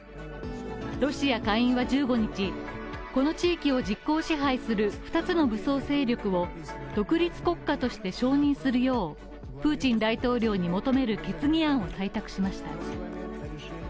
ロシア下院は１５日、この地域を実効支配する２つの武装勢力を独立国家と承認するようプーチン大統領に求める決議案を採択しました。